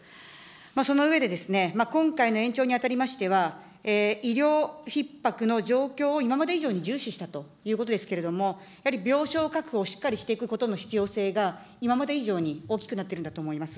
その上で、今回の延長にあたりましては、医療ひっ迫の状況を今まで以上に重視したということですけれども、やはり病床確保をしっかりしていくことの必要性が、今まで以上に大きくなっているんだと思います。